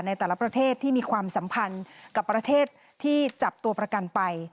ในแต่ละประเทศที่มีความสัมพันธ์กับประเทศที่จับตัวประกันไป